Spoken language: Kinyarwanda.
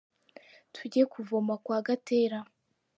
Tujye kuvoma kwa Gatera.